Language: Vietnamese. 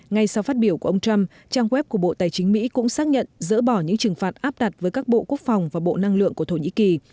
ngay sau phát biểu của ông trump trang web của bộ tài chính mỹ cũng xác nhận dỡ bỏ những trừng phạt áp đặt với các bộ quốc phòng và bộ năng lượng của thổ nhĩ kỳ